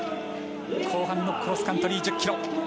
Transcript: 後半のクロスカントリー１０ｋｍ。